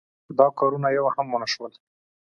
دا کارونه یو هم ونشول.